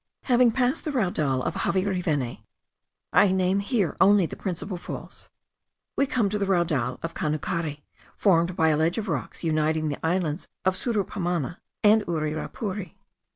Having passed the Raudal of Javariveni (I name here only the principal falls) we come to the Raudal of Canucari, formed by a ledge of rocks uniting the islands of Surupamana and Uirapuri.